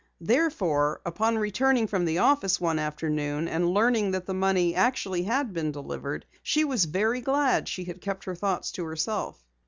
Therefore, upon returning from the office one afternoon and learning that the money actually had been delivered, she was very glad she had kept her thoughts to herself.